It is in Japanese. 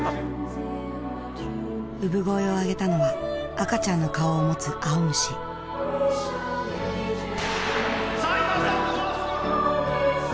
産声を上げたのは赤ちゃんの顔を持つ青虫さあ今スタート！